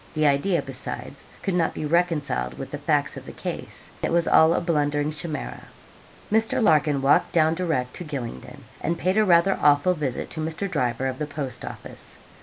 The idea, besides, could not be reconciled with the facts of the case. It was all a blundering chimera. Mr. Larkin walked down direct to Gylingden, and paid a rather awful visit to Mr. Driver, of the post office.